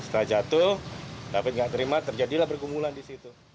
setelah jatuh david tidak terima terjadilah bergumulan di situ